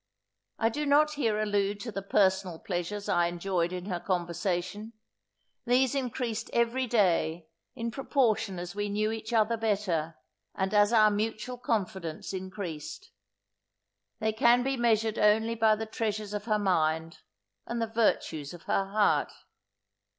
I do not here allude to the personal pleasures I enjoyed in her conversation: these increased every day, in proportion as we knew each other better, and as our mutual confidence increased. They can be measured only by the treasures of her mind, and the virtues of her heart.